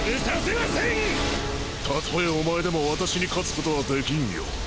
たとえお前でも私に勝つことはできんよ。